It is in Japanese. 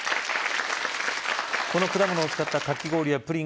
この果物を使ったかき氷やプリンが人気です